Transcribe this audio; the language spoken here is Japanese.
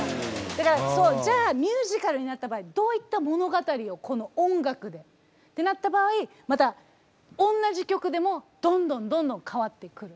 だからじゃあミュージカルになった場合どういった物語をこの音楽でってなった場合また同じ曲でもどんどんどんどん変わってくる。